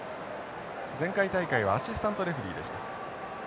前回大会はアシスタントレフリーでした。